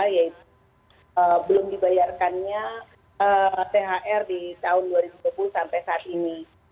yaitu belum dibayarkannya thr di tahun dua ribu dua puluh sampai saat ini